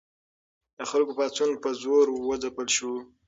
د خلکو پاڅون په زور وځپل شو.